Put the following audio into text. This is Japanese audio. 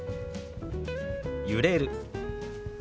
「揺れる」。